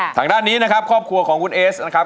ทางด้านนี้นะครับครอบครัวของคุณเอสนะครับ